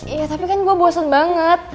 iya tapi kan gue bosen banget